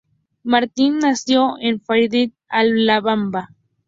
Martin nació en Fairfield, Alabama.